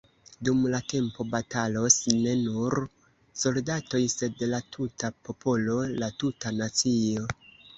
Dum la tempo batalos ne nur soldatoj, sed la tuta popolo, la tuta nacio.